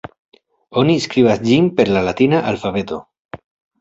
Oni skribas ĝin per la latina alfabeto.